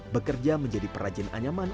bekerja menjadi peranjin anyaman